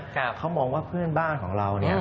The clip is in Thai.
เขามองว่าเพื่อนบ้านของเราเนี่ย